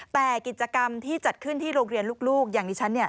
แต่กิจกรรมที่จัดขึ้นที่โรงเรียนลูกอย่างดิฉัน